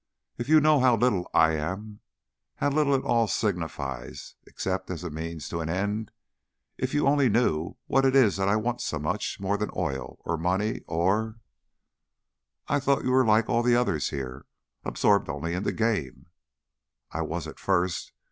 If you knew how little I am, how little it all signifies, except as a means to an end. If you only knew what it is that I want so much more than oil, or money, or " "I thought you were like all the others here absorbed only in the game." "I was, at first.